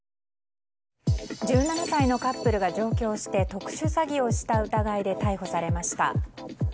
１７歳のカップルが上京して特殊詐欺をした疑いで逮捕されました。